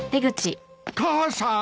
・母さん！